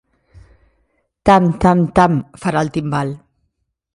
Tam, tam, tam, farà el timbal.